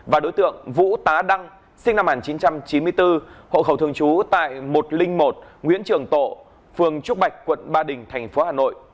và đối tượng vũ tá đăng sinh năm một nghìn chín trăm chín mươi bốn hộ khẩu thường trú tại một trăm linh một nguyễn trường tộ phường trúc bạch quận ba đình tp hà nội